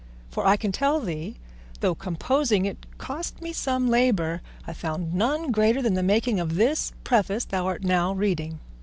For I can tell thee, though composing it cost me some labour, I found none greater than the making of this Preface thou art now reading.